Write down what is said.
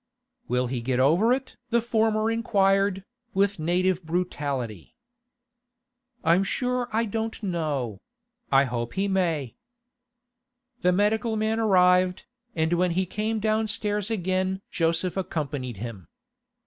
'Will he get over it?' the former inquired, with native brutality. 'I'm sure I don't know; I hope he may.' The medical man arrived, and when he came downstairs again Joseph accompanied him.